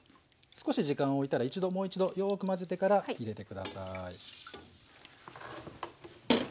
少し時間をおいたら一度もう一度よく混ぜてから入れて下さい。